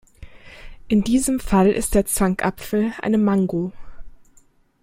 In diesem Fall ist der Zankapfel eine Mango.